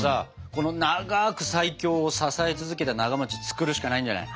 この「長ーく最強」を支えた続けたなが作るしかないんじゃない？